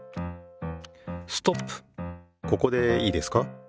ここでいいですか？